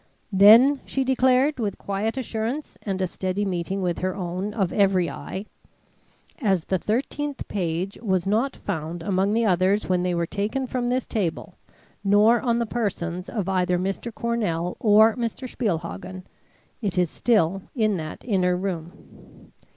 "Then," she declared, with quiet assurance and a steady meeting with her own of every eye, "as the thirteenth page was not found among the others when they were taken from this table, nor on the persons of either Mr. Carroll or Mr. Spielhagen, it is still in that inner room."